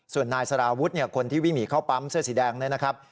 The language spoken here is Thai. ส่วนนายสาราวุฒิเนี่ยคนที่วิ่งหรี่เข้าป๊ำเสื้อสีแดงนะครับ